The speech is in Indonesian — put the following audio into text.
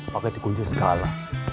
pokoknya dikunci skala